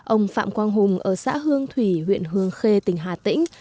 ông phạm quang hùng ở xã hương thủy huyện hương khê tỉnh hà tĩnh